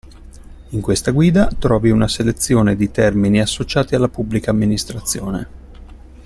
In questa guida trovi una selezione di termini associati alla Pubblica Amministrazione.